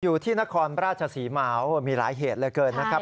อยู่ที่นครราชศรีมามีหลายเหตุเหลือเกินนะครับ